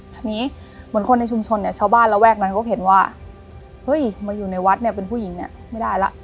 ทีนี้เหมือนคนในชุมชนเนี่ยชาวบ้านระแวกนั้นเขาเห็นว่าเฮ้ยมาอยู่ในวัดเนี่ยเป็นผู้หญิงเนี่ยไม่ได้ละ